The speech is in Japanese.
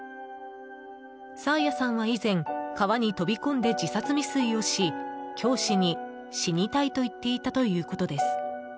爽彩さんは以前川に飛び込んで自殺未遂をし教師に、死にたいと言っていたということです。